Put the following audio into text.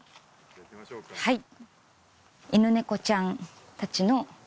はい。